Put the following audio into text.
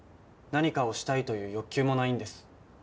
何かをしたいという欲求もないんです。